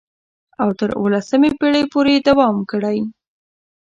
او تر اوولسمې پېړۍ پورې یې دوام کړی.